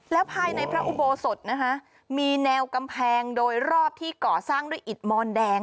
แล้วภายในพระอุโบสถนะคะมีแนวกำแพงโดยรอบที่ก่อสร้างด้วยอิดมอนแดง